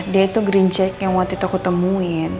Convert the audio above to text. dia itu green check yang waktu itu aku temuin